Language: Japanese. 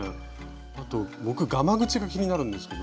あと僕がまぐちが気になるんですけど。